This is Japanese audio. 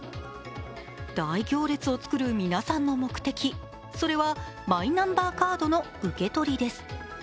大行列を作る皆さんの目的、それはマイナンバーカードの受け取りです。